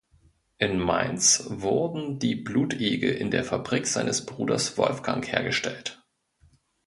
In Mainz wurden die Blutegel in der Fabrik seines Bruders Wolfgang hergestellt.